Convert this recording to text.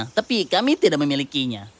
tetapi kami tidak memiliki baju